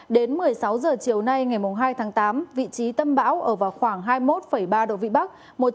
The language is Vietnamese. đến một mươi sáu h chiều nay ngày hai tháng tám vị trí tâm bão ở vào khoảng hai mươi một ba độ vĩ bắc